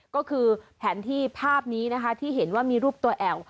ก็คือแผนที่ภาพนี้นะคะที่เห็นว่ามีรูปตัวแอว